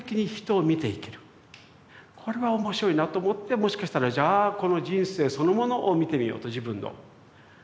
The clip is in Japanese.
これは面白いなぁと思ってもしかしたらじゃあこの人生そのものを見てみようと自分のを。